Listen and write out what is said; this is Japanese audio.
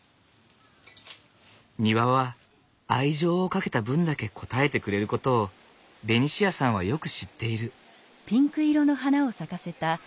庭は愛情をかけた分だけ応えてくれることをベニシアさんはよく知っている。